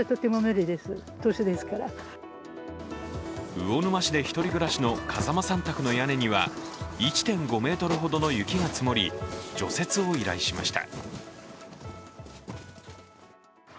魚沼市で１人暮らしの風間さん宅の屋根には１．５ｍほどの雪が積もり、除雪を依頼しました。